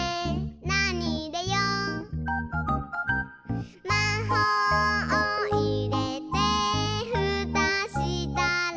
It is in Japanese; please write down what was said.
「なにいれよう？」「まほうをいれてふたしたら」